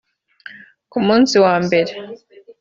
Ku munsi wa mbere